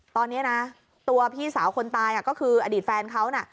ตอนนี้นะตัวพี่สาวคนตายก็คืออดีตแฟนเขาน่ะ